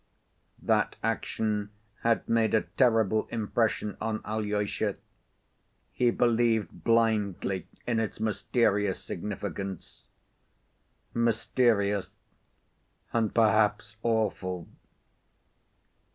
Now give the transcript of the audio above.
That action had made a terrible impression on Alyosha; he believed blindly in its mysterious significance. Mysterious, and perhaps awful.